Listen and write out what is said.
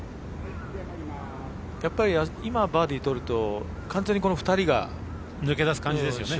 やっぱり今、バーディーとると完全にこの２人が抜け出す感じですよね。